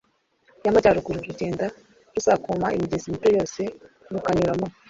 y’Amajyaruguru. Rugenda rusakuma imigezi mito yose, rukanyura mu